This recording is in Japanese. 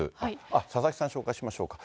佐々木さん、紹介しましょうか。